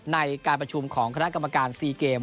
ในการประชุมของคณะกรรมการ๔เกม